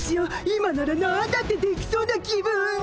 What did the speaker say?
今ならなんだってできそうな気分！